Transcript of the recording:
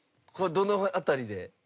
どの辺りで？